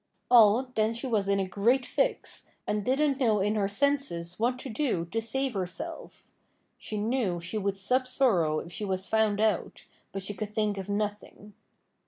Aw, then she was in a great fix, and didn't know in her senses what to do to save herself. She knew she would sup sorrow if she was found out, but she could think of nothing.